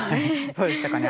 そうでしたかね。